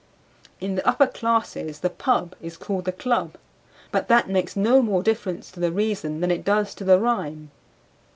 In the upper classes the "pub" is called the club, but that makes no more difference to the reason than it does to the rhyme.